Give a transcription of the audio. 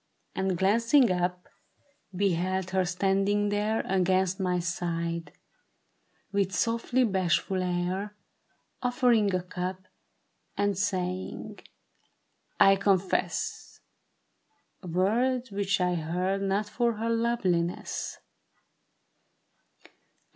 And glancing up, beheld her standing there Against my side, with softly bashful air, Offering a cup, and saying, I confess, Words which I heard not for her loveliness.